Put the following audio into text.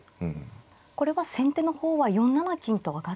これは先手の方は４七金と上がって。